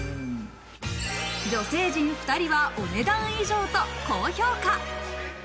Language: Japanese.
女性陣２人はお値段以上と高評価。